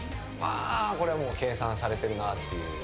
これは計算されてるなっていう。